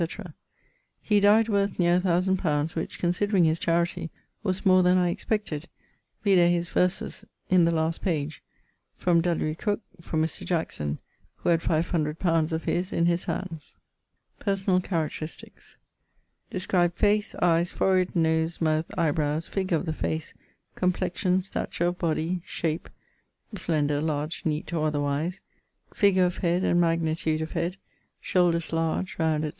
☞ 'He dyed worth neer 1000 li., which (considering his charity) was more then I expected: vide his verses in the last page. From W. Crooke, from Mr. Jackson who had 500 li. of his in his hands. <_Personal characteristics._> Describe face, eyes, forehead, nose, mouth, eyebrows, figure of the face, complexion; stature of body; shape (slender, large, neat, or otherwise); figure of head and magnitude of head; shoulders (large, round, etc.)